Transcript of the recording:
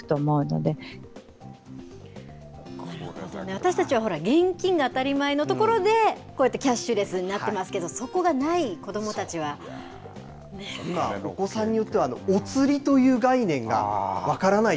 私たちは現金が当たり前のところで、こうやってキャッシュレスになってますけど、今、お子さんによっては、お釣りという概念が分からない。